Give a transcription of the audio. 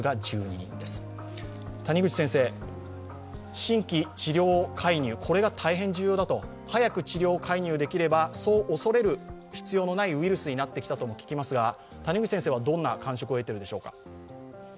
新規治療介入が大変重要だと、早く治療介入できればそう恐れる必要のないウイルスになってきたとも聞きますがどんな感触を得ているでしょうか？